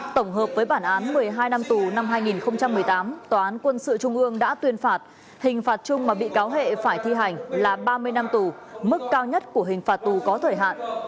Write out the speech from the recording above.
tổng hợp với bản án một mươi hai năm tù năm hai nghìn một mươi tám tòa án quân sự trung ương đã tuyên phạt hình phạt chung mà bị cáo hệ phải thi hành là ba mươi năm tù mức cao nhất của hình phạt tù có thời hạn